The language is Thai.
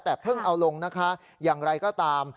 แต่เพิ่งเอาลงนะคะอย่างไรก็ตาม